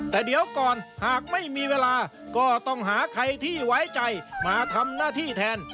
แต่เดี๋ยวก่อนหากไม่มีเวลาก็ต้องหาใครที่ไว้ใจมาทำหน้าที่แทน